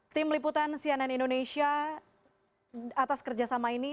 tim liputan cnn indonesia atas kerjasama ini